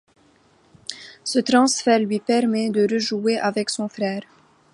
Ce transfert lui permet de rejouer avec son frère.